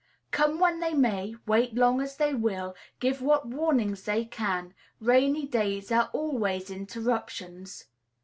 Come when they may, wait long as they will, give what warnings they can, rainy days are always interruptions.